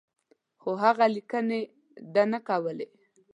خو هغه لیکني ده نه کولې.